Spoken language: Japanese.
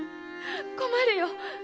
困るよ。